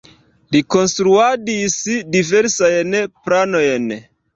Li konstruadis diversajn planojn.